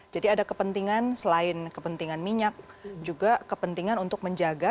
jadi ada kepentingan selain kepentingan minyak juga kepentingan untuk menjaga